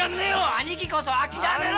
兄貴こそ諦めろ！